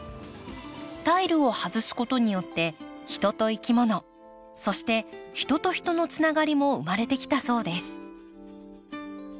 タイルを外すことによって人といきものそして人と人のつながりも生まれてきたそうです。